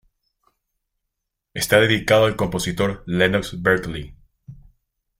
Está dedicado al compositor Lennox Berkeley.